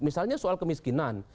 misalnya soal kemiskinan